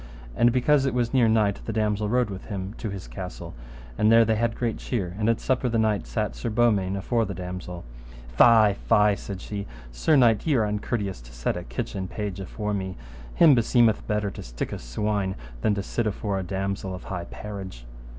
And because it was near night the damosel rode with him to his castle, and there they had great cheer, and at supper the knight sat Sir Beaumains afore the damosel. Fie, fie, said she, Sir knight, ye are uncourteous to set a kitchen page afore me; him beseemeth better to stick a swine than to sit afore a damosel of high parage.